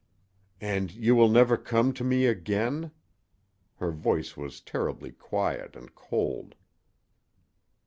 "And you will never come to me again?" Her voice was terribly quiet and cold.